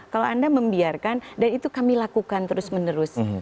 kalau anda membiarkan dan itu kami lakukan terus menerus